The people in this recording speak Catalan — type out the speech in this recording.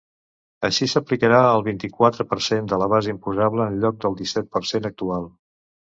Així, s’aplicarà el vint-i-quatre per cent de la base imposable en lloc del disset per cent actual.